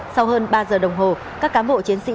sau hơn ba giờ đồng hồ các cám bộ chiến sĩ